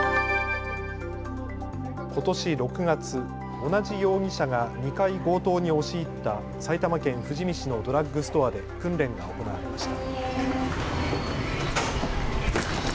ことし６月、同じ容疑者が２回、強盗に押し入った埼玉県富士見市のドラッグストアで訓練が行われました。